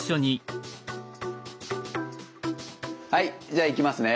はいじゃあいきますね。